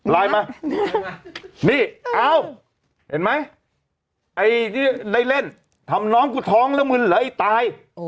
ไลน์มานี่เอ้าเห็นไหมไอ้ที่ได้เล่นทำน้องกูท้องแล้วมึนเหรอไอ้ตาย